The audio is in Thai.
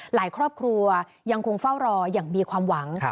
หลายครอบครัวยังคงเฝ้ารออย่างมีความหวัง